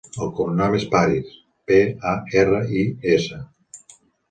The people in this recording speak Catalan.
El cognom és Paris: pe, a, erra, i, essa.